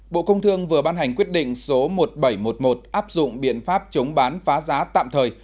bộ công thương vừa ban hành quyết định số một nghìn bảy trăm một mươi một áp dụng biện pháp chống bán phá giá tạm thời